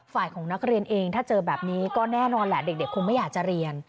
ฝ่ายของนักเรียนเองถ้าเจอแบบนี้ก็แน่นอนแหละเด็กคงไม่อยากจะเรียน